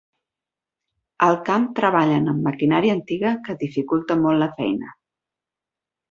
Al camp treballen amb maquinària antiga que dificulta molt la feina.